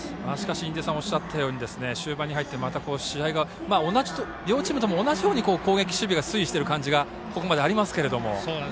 印出さんがおっしゃったように終盤に入ってからまた試合が両チームともに同じように攻撃、守備が推移している感じがここまでありますが。